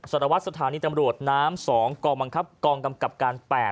สารวัตรสถานีตำรวจน้ำ๒กองบังคับกองกำกับการ๘